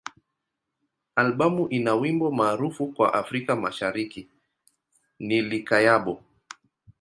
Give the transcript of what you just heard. Albamu ina wimbo maarufu kwa Afrika Mashariki ni "Likayabo.